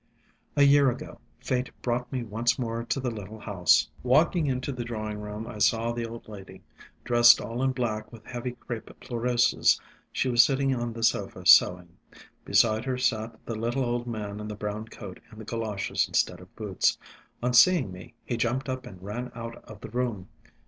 A year ago fate brought me once more to the little house. Walking into the drawing room, I saw the old lady. Dressed all in black with heavy crape pleureuses, she was sitting on the sofa sewing. Beside her sat the little old man in the brown coat and the goloshes instead of boots. On seeing me, he jumped up and ran out of the room.